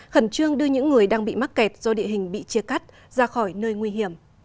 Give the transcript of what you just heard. khẩn trương đưa những người đang bị mắc kẹt do địa hình bị chia cắt ra khỏi nơi nguy hiểm